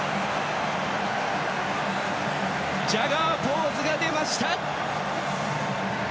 ジャガーポーズが出ました！